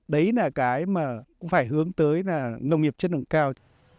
đấy là cái mà cũng phải hướng tới là nông nghiệp chất lượng cao